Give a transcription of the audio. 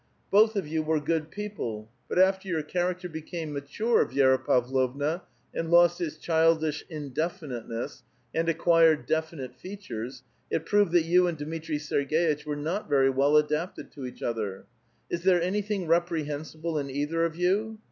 Both of you were good people, but after your character became mature, Vi^ra Pavlovna, and lost its childish indefiniteness, and acquired definite features, it proved that you and Dmitri Serg^itch were not very well adapted to each other. Is there anything reprehensible in either of you?